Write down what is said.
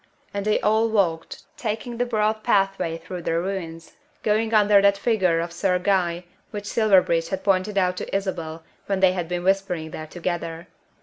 And they all walked, taking the broad pathway through the ruins, going under that figure of Sir Guy which Silverbridge had pointed out to Isabel when they had been whispering there together.